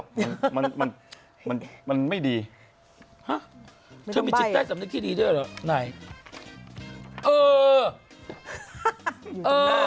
งั้นแพลตตี้กับแดนเหล่าให้เขาเมื่อไหร่